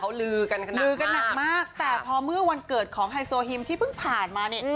เขาลือกันหนักมากแต่พอเมื่อวันเกิดของไฮโซฮิมที่เพิ่งผ่านมาเนี่ย